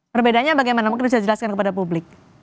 perbedaannya bagaimana mungkin bisa dijelaskan kepada publik